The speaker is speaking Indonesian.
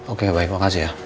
oke baik makasih ya